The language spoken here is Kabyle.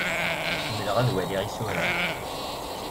Ḥemmleɣ ad waliɣ isura.